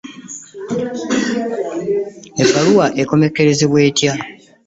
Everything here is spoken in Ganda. Ebbaluwa ekommekerezebwa etya?